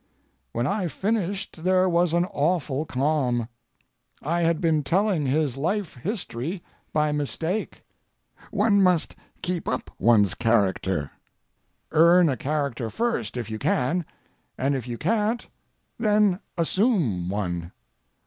When I finished there was an awful calm. I had been telling his life history by mistake. One must keep up one's character. Earn a character first if you can, and if you can't, then assume one.